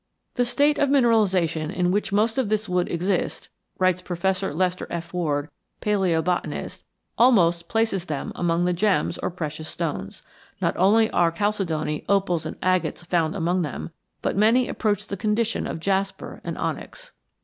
"The state of mineralization in which most of this wood exists," writes Professor Lester F. Ward, paleobotanist, "almost places them among the gems or precious stones. Not only are chalcedony, opals, and agates found among them, but many approach the condition of jasper and onyx."